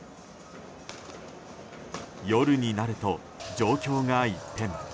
夜になると状況が一変。